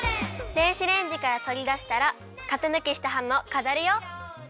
電子レンジからとりだしたら型ぬきしたハムをかざるよ。